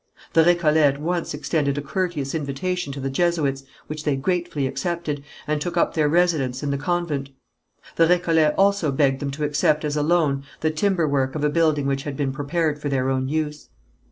The Récollets at once extended a courteous invitation to the Jesuits, which they gratefully accepted, and took up their residence in the convent. The Récollets also begged them to accept as a loan the timber work of a building which had been prepared for their own use.